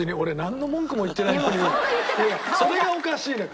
それがおかしいのよ！